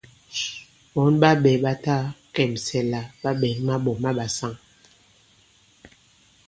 Ɓɔ̌n ɓa ɓɛ̄ ɓa ta kɛ̀msɛ la ɓa ɓɛ̌ŋ maɓɔ̀ ma ɓàsaŋ.